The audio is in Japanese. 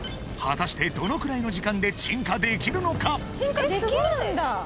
果たしてどのくらいの時間で鎮火できるのか？